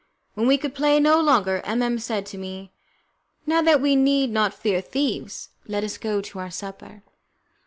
When we could play no longer, M M said to me, "Now that we need not fear thieves, let us go to our supper."